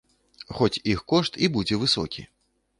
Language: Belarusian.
Хоць іх кошт і будзе высокі.